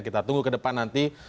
kita tunggu ke depan nanti